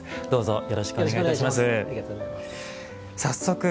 どうぞ。